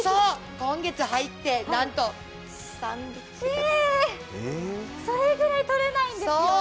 今月入って、なんと３匹それくらいとれないんですよね。